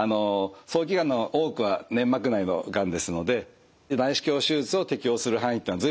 早期がんの多くは粘膜内のがんですので内視鏡手術を適応する範囲っていうのは随分広まってきました。